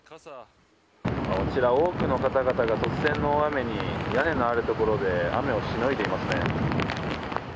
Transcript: あちら、多くの方々が突然の大雨に屋根のあるところで雨をしのいでいますね。